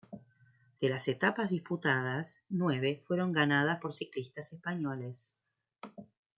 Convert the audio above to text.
De las etapas disputadas, nueve fueron ganadas por ciclistas españoles.